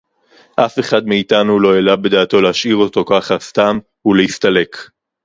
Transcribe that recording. אַף אֶחָד מֵאִתָּנוּ לֹא הֶעֱלָה בְּדַעְתּוֹ לְהַשְׁאִיר אוֹתוֹ כָּכָה סְתָם וּלְהִסְתַּלֵּק.